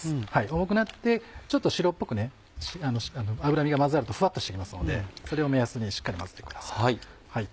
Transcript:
重くなってちょっと白っぽく脂身が混ざるとフワっとしてきますのでそれを目安にしっかり混ぜてください。